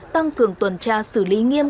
tăng cường tuần tra xử lý nghiêm